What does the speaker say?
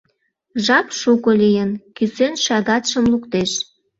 Жап шуко лийын, — кӱсен шагатшым луктеш.